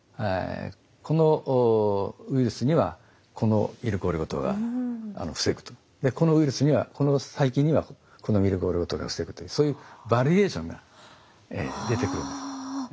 このウイルスにはこのミルクオリゴ糖が防ぐとこのウイルスにはこの細菌にはこのミルクオリゴ糖が防ぐというそういうバリエーションが出てくるんです。